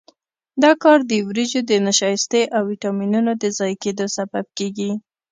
دا کار د وریجو د نشایستې او ویټامینونو د ضایع کېدو سبب کېږي.